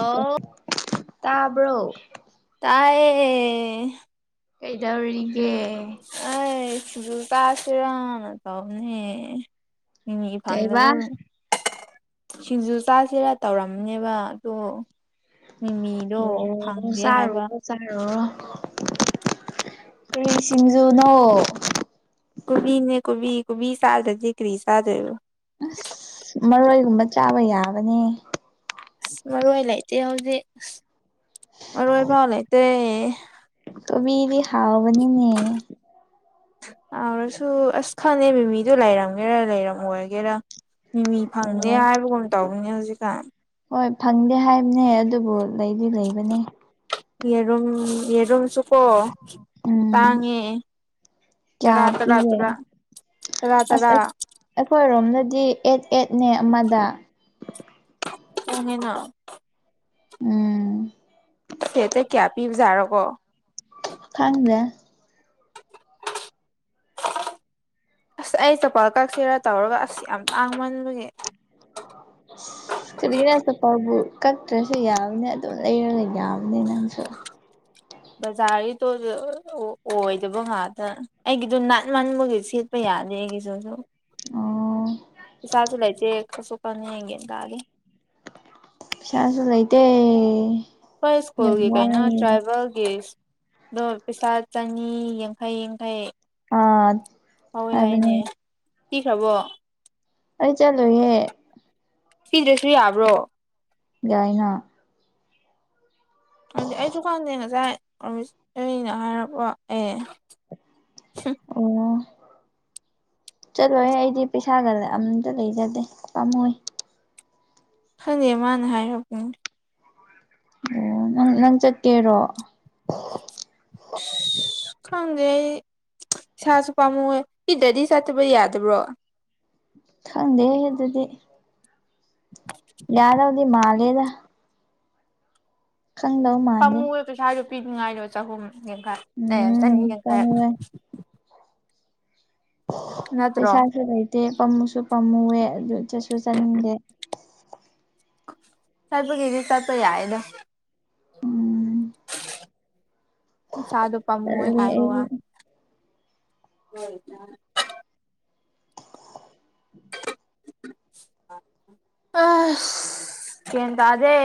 ꯑꯥꯎ ꯇꯥꯕ꯭ꯔꯣ ꯇꯥꯏꯌꯦ ꯀꯩꯗꯧꯔꯤꯒꯦ ꯇꯁꯦꯔꯅ ꯇꯥꯎꯅꯤ ꯏ ꯀꯩꯕꯥ ꯐꯪꯗꯕ ꯁꯤꯡꯖꯨ ꯆꯥꯁꯤꯔꯥ ꯇꯧꯔꯝꯅꯦꯕ ꯑꯗꯣ ꯃꯤꯃꯤꯗꯣ ꯑꯣ ꯐꯪꯗꯦ ꯁꯥꯔꯣ ꯍꯥꯏꯕ ꯆꯔꯣ ꯀꯔꯤ ꯁꯤꯡꯖꯨꯅꯣ ꯀꯅꯦ ꯀ ꯁꯜꯗ ꯖꯤꯀꯔꯤ ꯁꯥꯗ ꯑꯁ ꯃꯔꯣꯏꯒꯨꯝꯕ ꯆꯥꯕ ꯌꯥꯕꯅꯤ ꯑꯁ ꯃꯔꯣꯏ ꯂꯩꯇꯦ ꯍꯧꯖꯤꯛ ꯃꯔꯣꯏ ꯐꯥꯎ ꯂꯩꯇꯦ ꯇꯃꯤꯗꯤ ꯍꯥꯎꯕꯅꯤꯅꯦ ꯌꯥꯥꯎꯔꯁꯨ ꯑꯁ ꯈꯅꯦꯕ ꯃꯤꯗꯣ ꯂꯩꯔꯝꯒꯦꯔꯥ ꯂꯩꯔꯝꯑꯣꯒꯦꯔꯥ ꯃꯤ ꯃꯤ ꯐꯪꯗꯦ ꯑꯣ ꯍꯥꯏꯕꯒꯨꯝ ꯇꯧꯕꯅꯦ ꯍꯧꯖꯤꯛꯀꯥꯟ ꯍꯣꯏ ꯐꯪꯗꯦ ꯍꯥꯏꯕꯅꯦ ꯑꯗꯨꯕꯨ ꯂꯩꯗꯤ ꯂꯩꯕꯅꯦ ꯌꯦꯔꯨꯝ ꯌꯦꯔꯨꯝꯁꯨꯀꯣ ꯎꯝ ꯇꯥꯡꯉꯦ ꯀꯌꯥ ꯇꯔꯥ ꯇꯔꯥ ꯄꯤꯒꯦ ꯇꯔꯥ ꯇꯔꯥ ꯑꯁ ꯇꯔꯥ ꯑꯩꯈꯣꯏꯔꯣꯝ ꯑꯗꯨꯗꯤ ꯑꯦꯠ ꯑꯦꯠꯅꯦ ꯑꯃꯗ ꯑꯅ ꯎꯝ ꯍ ꯀ꯭ꯌꯥ ꯄꯤꯖꯥ ꯑꯀꯣ ꯈꯪꯪꯗ ꯑꯁ ꯑꯩ ꯆꯄꯥꯜ ꯀꯛꯁꯤꯔꯥ ꯇꯧꯔꯒ ꯑꯁ ꯌꯥꯝ ꯇꯥꯡꯃꯟꯕꯒꯤꯦ [inaudible] ꯀꯔꯤꯅ ꯑꯄꯕꯨ ꯀꯛꯇ꯭ꯔꯁꯨ ꯌꯥꯕꯅꯦ ꯑꯗꯨꯝ ꯂꯩꯔꯒ ꯌꯥꯕꯅꯦ ꯅꯪꯁꯨ ꯎ ꯕꯖꯥꯔꯒꯤꯗꯣ ꯑꯣꯏꯗꯕ ꯉꯥꯛꯇ ꯑꯩꯒꯤꯗꯣ ꯅꯥꯟ ꯃꯟꯕꯨꯒꯤ ꯁꯦꯠꯄ ꯌꯥꯅꯤ ꯂꯩꯒꯤꯁꯨꯁꯨꯣ ꯑꯣ ꯁꯥꯆꯨ ꯂ ꯆꯦ ꯀꯁꯨ ꯀꯅꯤꯒꯦꯅ ꯀ ꯑꯦ ꯄꯤꯁꯥꯁꯨ ꯂꯩ ꯂꯩꯗ ꯍꯣꯏ ꯁ꯭ꯀꯨꯜꯒꯤ ꯀꯩꯅꯣ ꯇ꯭ꯔꯥꯏꯕꯦꯜꯒꯤ ꯑꯗꯣ ꯄꯩꯁꯥ ꯆꯅꯤ ꯌꯥꯡꯈꯩ ꯌꯥꯡꯈꯩ ꯑꯥ ꯑꯗꯨꯅꯦ ꯀ ꯍꯕꯣ ꯑꯩ ꯆꯠꯂꯨꯍꯦ ꯐꯤꯗ꯭ꯔꯦꯁꯨꯔꯤ ꯍꯥꯕ꯭ꯔꯣ ꯌꯥꯥꯏꯅꯥ ꯍꯥꯏꯗꯤ ꯑꯩ ꯗꯨꯀꯥꯟꯗꯦ ꯉꯁꯥꯏꯩꯅ ꯍꯥꯏꯔꯕꯣ ꯑꯦ ꯑꯣ ꯆꯠꯂꯣꯏꯍꯦ ꯑꯩꯗꯤ ꯄꯩꯁꯥꯒ ꯑꯝꯇ ꯂꯩꯖꯗꯦ ꯄꯥꯝꯃꯣꯏ ꯈꯜꯦꯃꯅ ꯍꯥꯏ ꯑꯅꯤ ꯑꯣ ꯅꯪ ꯅꯪ ꯆꯠꯀꯦꯔꯣ ꯈꯪꯗꯦ ꯑꯩ ꯏꯁꯥꯁꯨ ꯄꯥꯝꯃꯨꯦ ꯏꯗꯗꯤ ꯆꯠꯇꯕ ꯌꯥꯗꯕ꯭ꯔꯣ ꯈꯪꯗꯦ ꯑꯗꯨ ꯑꯗꯨꯗꯤ ꯌꯥꯗꯧꯗꯤ ꯃꯥꯜꯂꯦꯗ ꯈꯪꯗꯧ ꯃꯥꯥꯟꯅꯤ ꯄꯥꯝꯃꯨꯑꯦ ꯄꯩꯁꯥꯗꯣ ꯄꯤꯅꯤꯡꯉꯥꯏꯗꯣ ꯆꯍꯨꯝ ꯌꯥꯡꯈꯩ ꯎꯝ ꯆꯅꯤ ꯌꯥꯡꯈꯩ ꯆꯠꯂꯣꯏ ꯅꯠꯇ꯭ꯔꯣ ꯄꯩꯁꯥ ꯉꯥꯏꯇꯦ ꯄꯝꯃꯨꯁꯨ ꯄꯥꯝꯃꯨꯋꯦ ꯑꯗꯨ ꯆꯠꯁꯨ ꯆꯠꯅꯤꯡꯗꯦ ꯆꯠꯄꯒꯤꯗꯤ ꯆꯄ ꯌꯥꯏꯗ ꯎꯝ ꯁꯥꯗ ꯎ ꯄꯝꯃ ꯑꯣꯏ ꯆꯠꯂꯒꯦ ꯍꯥꯏꯕ ꯋꯥ ꯑꯩꯗꯤ ꯍꯗ ꯎꯝ ꯑ ꯀꯇ ꯑꯗꯦ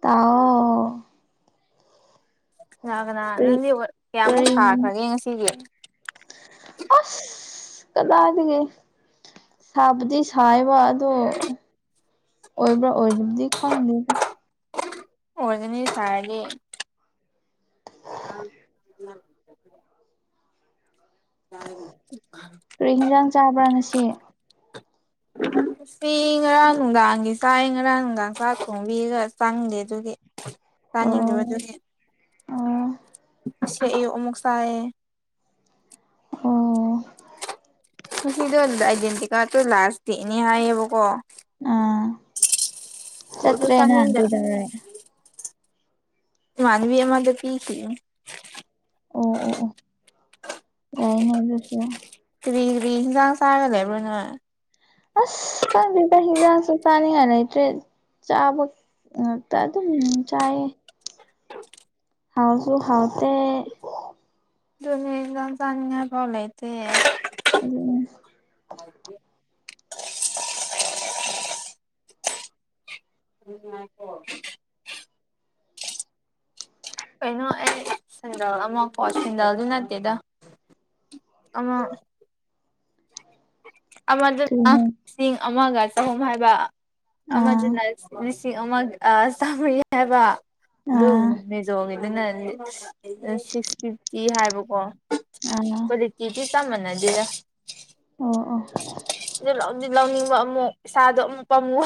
ꯇꯥꯎ ꯌꯥꯒꯅ ꯀꯔꯤ ꯅꯪꯗꯤ ꯀꯌꯥꯃꯨꯛ ꯀꯔꯤ ꯊꯥꯈ꯭ꯔꯒꯦ ꯉꯁꯤꯁꯦ ꯑꯁ ꯀꯗꯥꯗꯒꯦ ꯁꯕꯗꯤ ꯁꯕꯥ ꯑꯗꯣ ꯑꯣꯏꯕ꯭ꯔꯥ ꯑꯣꯏꯗꯕꯗꯤ ꯈꯪꯗꯦ ꯑꯣꯏꯗꯅꯤ ꯁꯥꯦ ꯑ ꯑ ꯀ ꯍꯟꯖꯥꯡ ꯆꯥꯕ꯭ꯔꯥ ꯉꯁꯤ ꯎꯝ ꯎꯄꯤ ꯉꯔꯥꯡ ꯅꯨꯡꯗꯥꯡꯒꯤ ꯆꯥꯛ ꯉꯔꯥꯡ ꯅꯨꯡꯗꯥꯡ ꯆꯥꯛ ꯊꯣꯡꯕꯤꯒ ꯆꯪꯗꯦ ꯑꯗꯨꯒꯤ ꯑꯣ ꯇꯥꯅꯤꯡꯗꯕꯗꯨ ꯑꯣ ꯁꯦ ꯑꯌꯨꯃꯛꯁꯥꯏ ꯑꯣ ꯁꯤꯗ ꯑꯥꯏꯗꯦꯟꯇꯤ ꯀꯥꯔꯇ ꯂꯥꯁꯇ ꯏꯅꯦ ꯍꯥꯏꯌꯦꯕꯀꯣ ꯑ ꯑꯗꯨ ꯆꯠꯇ꯭ꯔꯦꯅ ꯍꯗꯗꯔꯦ ꯃꯅꯕꯤ ꯑꯃꯗ ꯄ ꯀ ꯑꯣ ꯑꯣ ꯑꯣ ꯌꯥꯏꯅꯦ ꯑꯗꯨꯁꯨ ꯀ꯭ꯔꯤ ꯀꯔꯤ ꯍꯟꯖꯥꯡ ꯆꯥꯒ ꯂꯩꯦꯕꯅ ꯑꯁ ꯀ ꯍꯗꯁꯨ ꯇꯅꯤ ꯌꯥꯅꯠꯇ꯭ꯔꯦ ꯆꯥꯕ ꯉꯥꯛꯇ ꯑꯗꯨꯝ ꯆꯥꯏꯌꯦ ꯍꯥꯎꯁꯨ ꯍꯥꯎꯗ ꯑꯗꯨꯅꯤꯖ ꯆ ꯐꯥꯎꯂꯇꯦ ꯑ ꯎ ꯀꯣ ꯀꯩꯅꯣ ꯑꯦ ꯁꯦꯟꯟꯗꯜ ꯑꯃꯀꯣ ꯁꯦꯟꯗꯜꯗꯤ ꯅꯠꯇꯦꯗ ꯑ ꯑꯃꯗꯅ ꯀꯔꯤꯅꯣ ꯂꯤꯁꯤꯡ ꯑꯃꯒ ꯆꯍꯨꯝ ꯍꯥꯏꯕ ꯑꯥ ꯑꯃꯁꯤ ꯍꯥꯏꯕ ꯑꯗꯨꯝ ꯑꯥ ꯃꯦꯖꯣꯒꯤꯗꯨꯅ ꯁꯤꯛꯁ ꯐꯤꯐꯇꯤ ꯍꯥꯏꯕꯀꯣ ꯑꯥ ꯀꯗꯤꯛꯇꯗꯤ ꯀ ꯃꯟꯅꯗꯔ ꯑꯣ ꯑꯣ ꯂꯧꯅꯤꯡꯕ ꯑꯃꯨꯛ ꯏꯁꯥꯗꯣ ꯑꯃꯨꯛ ꯄꯥꯝꯃꯨ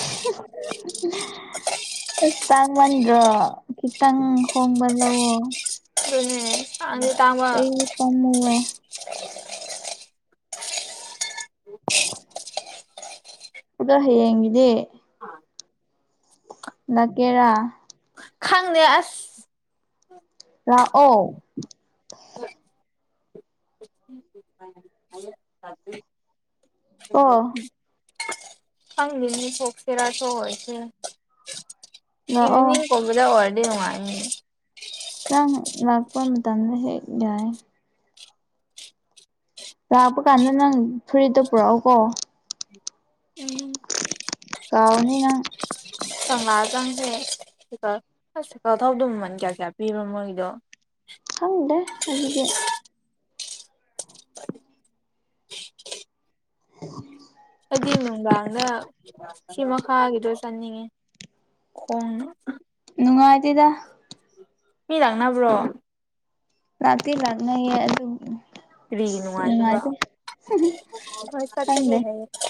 [inaudible] ꯑ ꯁ ꯇꯪ ꯃꯟ꯭ꯔꯣ ꯀꯈꯤꯠꯇꯪ ꯍꯣꯡꯡꯕꯜꯂ ꯄꯨꯅꯤ ꯑ ꯇꯥꯃ ꯄꯥꯝꯃꯨꯋꯦ [inaudible] ꯑꯗ ꯍꯦꯡꯉꯗꯤ ꯑꯥ ꯂꯀꯦꯔꯥ ꯈꯪꯅꯦ ꯑꯁ ꯔꯥꯑꯣ [inaudible] [inaudible] ꯀꯣ ꯁ ꯂꯤꯜꯅꯤ ꯐꯣꯛ ꯐꯦꯔꯥꯁꯨꯣ ꯑꯣꯏꯣꯏꯁ ꯂꯥꯛꯑꯣ ꯏꯚꯅꯤꯡ ꯀꯣꯕꯨꯗ ꯑꯣꯏꯔꯗꯤ ꯅꯨꯡꯉꯥꯏ ꯁ ꯂꯥꯛꯄꯝ ꯃꯇꯝꯝꯗ ꯍꯦꯛ ꯌꯥꯏ ꯂꯥꯛꯄ ꯀꯥꯟꯗ ꯅꯪ ꯐꯨꯔꯤꯠꯇ ꯄꯨꯔꯛꯑꯣꯀꯣ ꯎꯝ ꯀꯥꯎꯅꯤ ꯅꯪ ꯁꯉ ꯆꯪꯁꯦ ꯀꯥ ꯑꯁ ꯆꯤꯀꯥ ꯊꯥꯎꯗ ꯃꯃꯜ ꯀꯌꯥ ꯀꯌꯥ ꯄꯤꯕꯣ ꯃꯣꯏꯒꯤꯗꯣ ꯍꯪꯗꯦ ꯑꯗꯨꯦ [inaudible] [inaudible] ꯍꯥꯏꯗꯤ ꯅꯨꯡꯗꯥꯡꯗ ꯁꯤ ꯃꯈꯥꯒꯤꯗꯣ ꯆꯠꯅꯤꯡꯉꯦ ꯍꯣꯡꯣꯡ ꯅꯨꯡꯉꯥꯏꯇꯦꯗ ꯃꯤ ꯂꯥꯛꯅꯕ꯭ꯔꯣ ꯔꯥꯇ ꯂꯥꯛꯅꯌꯦ ꯑꯗꯨ ꯑꯗꯨ ꯀꯔꯤꯒꯤ ꯅꯨꯡꯉꯥꯏꯇꯕ ꯍꯣꯏ ꯆꯠꯒꯦ ꯈꯪꯗꯦ ꯍꯥꯏ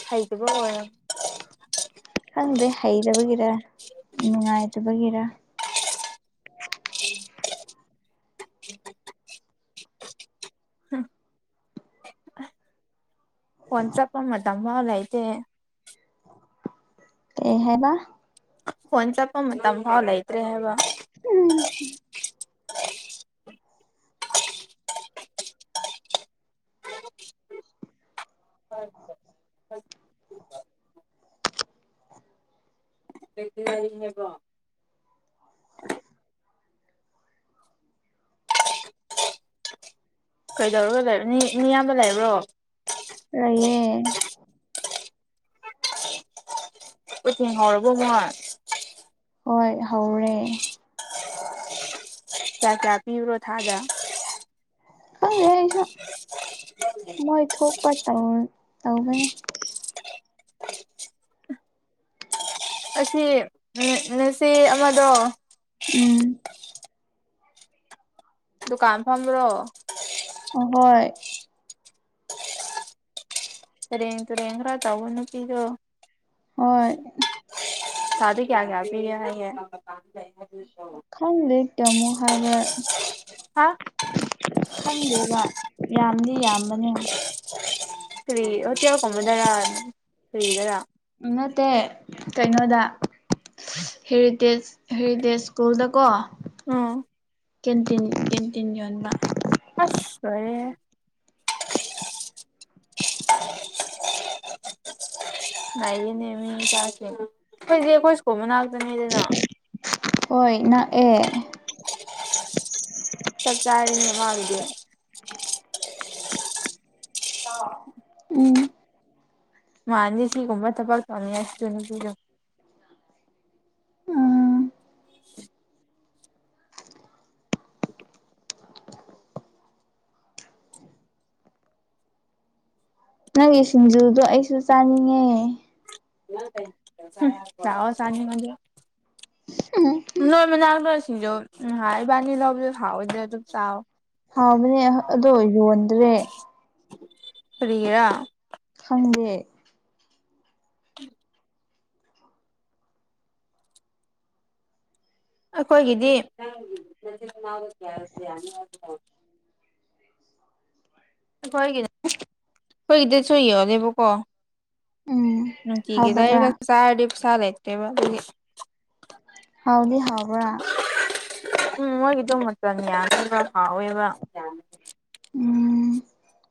ꯍꯩ ꯁꯤꯨꯕ ꯈꯪꯗꯦ ꯍꯩꯇꯕꯒꯤꯔ ꯅꯨꯡꯉꯥꯏꯇꯕꯒꯤꯔ [inaudible] ꯍꯝ ꯐꯟ ꯆꯄꯃ ꯇꯃꯂꯥꯏꯇ ꯑꯦ ꯍꯥꯏꯦꯕ ꯐꯣꯟ ꯆꯠꯄ ꯃꯇꯝ ꯐꯥꯎ ꯂꯩꯇ꯭ꯔꯦ ꯍꯥꯏꯕ ꯂꯩꯔꯤ ꯍꯥꯏꯕꯣ ꯀꯩꯗꯧꯔꯒ ꯂꯩꯕ ꯃꯤꯌꯥꯝꯕ ꯂꯩꯕ꯭ꯔꯣ ꯑꯌꯦ ꯁꯍꯔꯔꯕꯣ ꯃꯉꯣꯏ ꯍꯣꯏ ꯍꯧꯔꯦ ꯆ ꯀꯌꯥ ꯄꯤꯕꯔꯣ ꯊꯥꯖ ꯑ ꯌꯥ ꯃꯣꯏ ꯊꯣꯛꯄ ꯇꯧꯕꯅꯤ ꯑꯁꯤ ꯎ ꯉꯁꯤ ꯑꯃꯗꯣ ꯎꯝ ꯗꯨꯀꯥꯟ ꯐꯕ꯭ꯔꯣ ꯍꯣꯏ ꯁꯔꯦ ꯇꯔ ꯌꯦꯡ꯭ꯔꯥ ꯇꯋꯥꯅ ꯀꯤꯗꯣ ꯍꯣꯏ ꯁꯥꯗ ꯀꯌꯥꯒꯌꯥ ꯈꯪꯗ ꯇꯃꯣ ꯍꯥꯔꯕ ꯍꯥ ꯈꯪꯗꯦꯕ ꯌꯥꯝꯗꯤ ꯌꯥꯝꯕꯅꯦ ꯐꯔꯤ ꯑꯣ ꯇꯌꯥꯎ ꯀꯃꯗꯔꯥ ꯐꯔꯤꯗꯔꯥ ꯠꯇꯦ ꯀꯩꯅꯣꯗ ꯍꯦꯔꯤꯇꯦꯖ ꯍꯦꯔꯤꯇꯦꯖ ꯁ꯭ꯀꯨꯜꯗꯀꯣ ꯎꯝ ꯀꯦꯟꯇꯤꯟ ꯀꯦꯟꯇꯤꯟ ꯌꯣꯟꯕ ꯑ [inaudible] ꯉꯥꯏꯌꯦꯅꯦꯃꯤ ꯆꯦ ꯑꯩꯣꯏ ꯀꯣꯏꯁꯀꯣ ꯃꯅ ꯅꯨꯃꯤꯗꯅ ꯑꯦ ꯆ ꯆꯥꯅꯃꯗꯦ ꯎꯝ ꯃꯥꯅꯤ ꯁꯤꯒꯨꯝꯕ ꯊꯕꯛ ꯇꯧꯃꯤꯉꯁꯤꯁꯨꯅꯄꯤꯗꯣ ꯎꯝ [inaudible] ꯅꯪꯒꯤ ꯁꯤꯡꯖꯨꯗꯣ ꯑꯩꯁꯨ ꯆꯥꯅꯤꯡꯉꯦ ꯆꯋꯁꯅꯤ ꯃ ꯎꯝ ꯅꯣꯏ ꯃꯅꯥꯛꯇꯣ ꯁꯤꯁꯨ ꯉꯍ ꯏꯕꯥꯅꯤ ꯂꯧꯕꯗ ꯍꯥꯎꯑꯣꯏꯗ꯭ꯔꯦ ꯑꯗꯨꯝ ꯆꯥꯎꯥꯎꯑꯣ ꯍꯥꯎꯕꯅꯦ ꯑꯗꯣ ꯌꯣꯟꯗ꯭ꯔꯦ ꯐꯔꯤꯔ ꯦ ꯎꯝ ꯑꯩꯈꯣꯏꯒꯤꯗꯤ ꯍꯣꯏꯒꯤ ꯑꯩꯈꯣꯏꯒꯤꯗ ꯁꯣꯏ ꯌꯣꯅꯦꯕꯀꯣ ꯎꯝ ꯅꯨꯡ ꯀ ꯀꯦ ꯇꯔ ꯍꯥꯎꯗꯕ꯭ꯔꯥ ꯀ ꯆ ꯄꯁꯥꯂꯦꯇꯦꯕ ꯍꯥꯎꯒꯦ ꯍꯥꯎꯕ ꯎꯝ ꯃꯣꯏꯒꯤꯗꯣ ꯃꯇꯝ ꯌꯥꯕ ꯂꯥꯎꯋꯦꯕ ꯎꯝ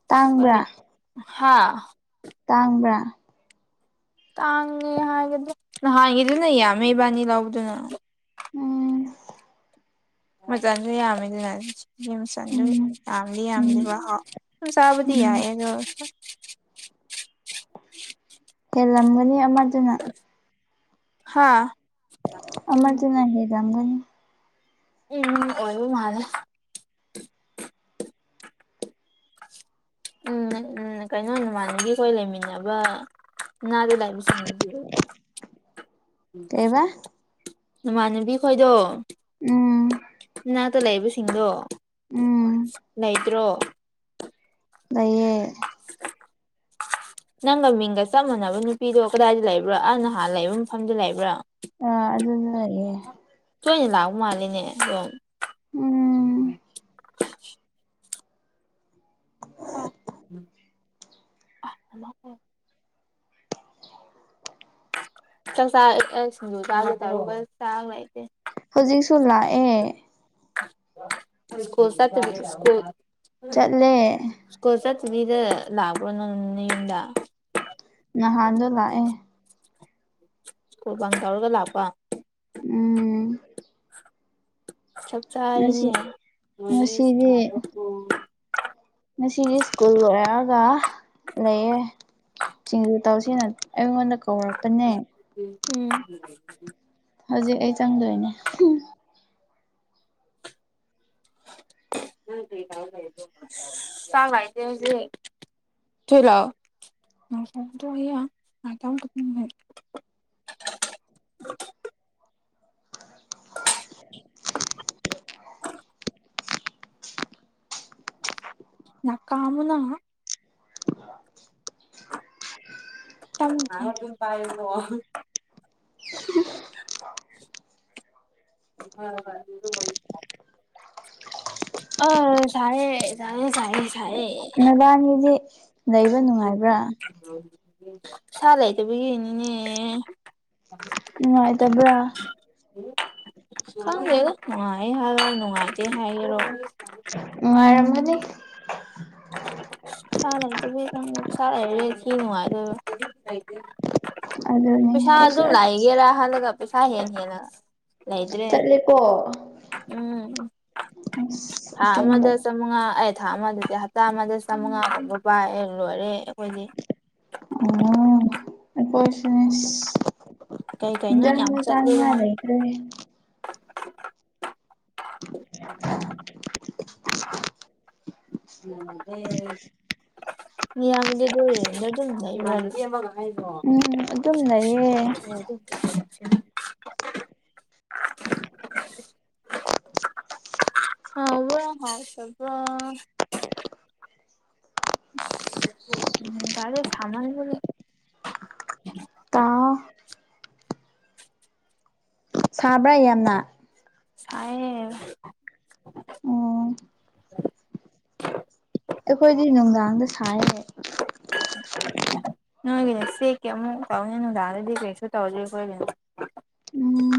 ꯇꯥꯡꯕ꯭ꯔꯥ ꯍꯥꯥ ꯇꯥꯡꯕ꯭ꯔꯥ ꯇꯥꯡꯉꯦ ꯍꯥꯏꯒꯗꯤ ꯅꯍꯥꯟꯒꯤꯗꯤꯅ ꯌꯥꯝꯃꯦ ꯏꯕꯥꯅꯤ ꯂꯧꯕꯗꯨꯅ ꯎꯝ ꯃꯆꯁꯨ ꯌꯥꯝꯃꯤ ꯃꯆ ꯎꯝ ꯌꯥꯝꯗꯤ ꯌꯥꯝꯗꯤ ꯎꯝ ꯆꯥꯕꯨꯗꯤ ꯀ ꯎꯝ ꯌꯥꯗ ꯍꯦꯜꯂꯝꯒꯅꯤ ꯑꯃꯥꯗꯅ ꯍꯥꯥ ꯑꯔꯗꯨꯅ ꯍꯔꯝꯒꯅꯤ ꯎꯝ ꯑꯣꯏꯕꯨ ꯃꯥꯜ ꯎꯝ ꯎꯝ ꯀꯩꯅꯣ ꯅꯃꯥꯟꯗꯒꯤꯈꯣꯏ ꯂꯩꯃꯤꯟꯅꯕ ꯅꯗꯗꯥꯏꯃꯤ ꯁꯤ [unintelligible] ꯀꯩꯕꯥ ꯅꯃꯥꯟꯅꯕꯤ ꯈꯣꯏꯗꯣ ꯎꯝ ꯠꯇ ꯂꯩꯕꯁꯤꯡꯗꯣ ꯎꯝ ꯂꯩꯇ꯭ꯔꯣ ꯂꯩꯏꯌꯦ ꯅꯪꯒ ꯃꯤꯡꯒ ꯆꯞ ꯃꯥꯟꯅꯕ ꯅꯨꯄꯤꯗꯣ ꯀꯗꯥꯏꯗ ꯂꯩꯕ꯭ꯔꯣ ꯑ ꯅꯍꯥꯟ ꯂꯩꯕ ꯃꯐꯝꯗ ꯂꯩꯕ꯭ꯔꯥ ꯑ ꯑꯗꯨ ꯂꯩ ꯑꯦꯌ ꯁꯣꯏꯅ ꯂꯥꯛꯎ ꯃꯥꯜꯂꯤꯅꯦ ꯑꯗꯨꯝ ꯎꯝ [unintelligible] ꯆꯥꯛꯆꯥ ꯁꯤꯡꯖꯨ ꯆꯥꯔꯨꯛꯄ ꯆꯥ ꯂꯩꯇꯦ ꯍꯧꯖꯤꯛꯁꯨ ꯂꯥꯛꯑꯦ ꯁꯀꯣꯁ ꯆꯠꯂꯦ ꯁꯀꯨꯜ ꯆꯠ ꯁꯤꯗ ꯂꯥꯛꯕ ꯅꯪ ꯌꯨꯝꯗ ꯅꯍꯥꯟꯗꯣ ꯂꯥꯛꯑꯦ ꯁ꯭ꯀꯨꯜ ꯀꯥꯡ ꯇꯧꯔꯒ ꯂꯥꯛꯄ ꯎꯝ ꯆꯞ ꯉꯁꯤ ꯉꯁꯤꯗꯤ ꯆꯥꯔꯔꯤꯅꯦꯁꯚ ꯉꯁꯤꯗꯤ ꯁ꯭ꯀꯨꯜ ꯑꯣꯏꯔꯒ ꯂꯩꯌꯦ ꯆꯤꯡꯖꯨ ꯇꯧꯁꯤꯅ ꯑꯩꯉꯣꯟꯗ ꯀꯧꯔꯛꯄꯅꯦ ꯎꯝ ꯍꯧꯖꯤꯛ ꯑꯩ ꯆꯪꯗꯣꯏꯅꯦ ꯎ ꯆꯒꯥꯏꯇ ꯍꯧ ꯇꯨꯂꯥꯎ [unintelligible] [inaudible] ꯅ ꯀꯥꯝꯃꯅ [unintelligible] [unintelligible] ꯑ ꯆꯥꯏ ꯆꯥꯏ ꯆꯥꯏ ꯅꯕꯥꯅꯤꯗꯤ ꯂꯩꯕ ꯅꯨꯡꯉꯥꯏꯕ꯭ꯔꯥ ꯁꯥ ꯂꯩꯇꯕꯒꯤꯅꯤꯅꯦ ꯅꯨꯡꯉꯥꯏꯇꯕ꯭ꯔꯥ ꯈꯪꯗꯦ ꯅꯨꯡꯉꯥꯏ ꯍꯥꯏꯔꯣ ꯅꯨꯡꯉꯥꯏꯇꯦ ꯍꯥꯏꯔꯣ ꯅꯨꯉꯥꯏꯔꯝꯒꯅꯤ [unintelligible] ꯑꯗꯨꯅꯤ ꯄꯩꯁꯥ ꯑꯩꯁꯨ ꯑꯗꯨꯝ ꯑꯁ ꯂꯩꯒꯦꯔꯥ ꯍꯥꯏꯔꯒ ꯄꯩꯁꯥ ꯍꯦ ꯍꯦꯟꯅ ꯂꯩꯗ꯭ꯔꯦ ꯆꯠꯂꯦꯀꯣ ꯎꯝ ꯑꯁ ꯊꯥ ꯑꯁꯦꯡꯕ ꯑꯃꯗ ꯆꯝꯃꯉ ꯑꯦ ꯊꯥ ꯑꯃꯗ ꯍꯥ ꯆꯥꯝꯃꯗ ꯆꯥꯝꯃꯉꯥꯒꯕ ꯄꯥꯏꯑꯦ ꯂꯣꯏꯔꯦ ꯑꯩꯈꯣꯏꯗꯤ ꯎꯝ ꯀꯩ ꯀꯩꯅꯣ ꯌꯥꯝ [unintelligible] ꯆꯠꯂꯦꯕ ꯆꯥꯅꯤꯡꯉꯥꯏ ꯂꯩꯇꯔ꯭ꯦ [unintelligible] ꯎꯝ ꯑꯦ [unintelligible] ꯎꯝ ꯑꯗꯨꯝ ꯂꯩꯌꯦ [unintelligible] ꯍꯥꯎꯕꯔꯥ ꯍꯥꯎꯇꯕꯔꯣ ꯎꯝ ꯀꯥꯁꯦ ꯁꯥꯃꯟꯈꯔ꯭ꯦ ꯇꯥ ꯁꯥꯕ꯭ꯔꯥ ꯌꯥꯝꯅ ꯑꯣ ꯁꯥꯏꯌꯦ ꯑꯩꯈꯣꯏꯗꯤ ꯅꯨꯡꯗꯥꯡꯗ ꯁꯥꯏꯌꯦ ꯅꯣꯏꯒꯤꯅꯦ ꯆꯦꯛ ꯀꯦ ꯑꯃꯨꯛ ꯇꯧꯅꯤ ꯅꯨꯡꯗꯥꯗꯗꯤ ꯀꯩꯁꯨ ꯇꯧꯗꯦ ꯑꯩꯈꯣꯏꯒꯤꯅ ꯎꯝ